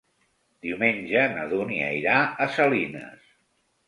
Diumenge na Dúnia irà a Salines.